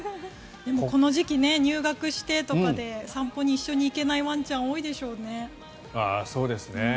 この時期、入学してとかで散歩に一緒に行けないワンちゃんはそうですね。